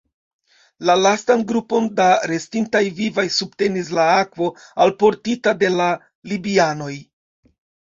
La lastan grupon da restintaj vivaj subtenis la akvo, alportita de la libianoj.